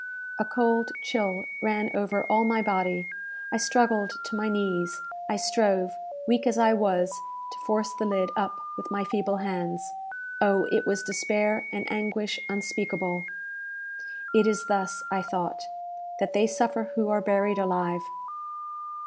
A cold chill ran over all my body I struggled to my knees I strove, weak as I was, to force the lid up with my feeble hands. Oh, it was despair and anguish unspeakable! "It is thus," I thought, "that they suffer who are buried alive!"